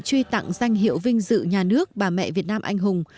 truy tặng danh hiệu vinh dự nhà nước bà mẹ việt nam anh hùng